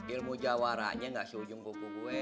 ilmu jawarannya gak seujung kuku gue